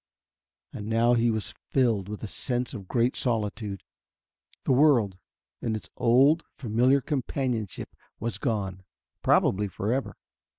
And now he was filled with a sense of great solitude. The world, in its old, familiar companionship, was gone probably forever.